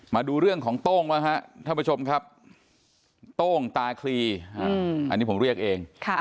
มาดูเรื่องของโต้งบ้างฮะท่านผู้ชมครับโต้งตาคลีอันนี้ผมเรียกเอง